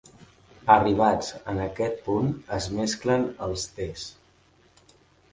Arribats en aquest punt es mesclen els tes.